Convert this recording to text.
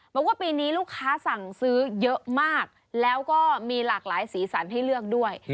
บอกว่าปีนี้ลูกค้าสั่งซื้อเยอะมากแล้วก็มีหลากหลายสีสันให้เลือกด้วย